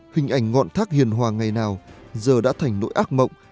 hình ảnh ngọn thác hiền hòa ngày nào giờ đã thành nỗi ác mộng